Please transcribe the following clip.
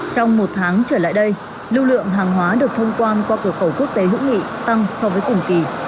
trong một tháng trở lại đây lưu lượng hàng hóa được thông quan qua cửa khẩu quốc tế hữu nghị tăng so với cùng kỳ